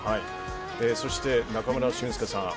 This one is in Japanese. そして中村俊輔さん